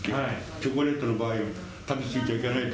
チョコレートの場合、食べ過ぎちゃいけないと。